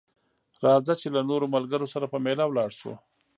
راځه چې له نورو ملګرو سره په ميله لاړ شو